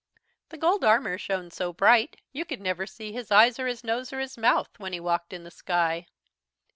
The gold armour shone so bright you could never see his eyes or his nose or his mouth, when he walked in the sky.